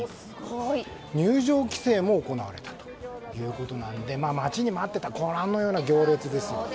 入場規制も行われたということなので待ちに待っていた行列ですよね。